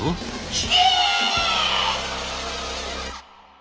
「ひえ！」。